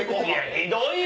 ひどいよ！